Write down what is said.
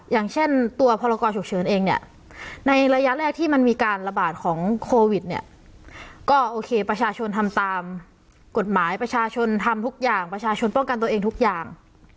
อย่างเช่นตัวพรกรฉุกเฉินเองเนี่ยในระยะแรกที่มันมีการระบาดของโควิดเนี่ยก็โอเคประชาชนทำตามกฎหมายประชาชนทำทุกอย่างประชาชนป้องกันตัวเองทุกอย่าง